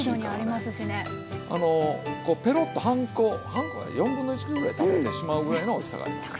あのこうペロッと半コ半コは1/4ぐらい食べてしまうぐらいのおいしさがあります。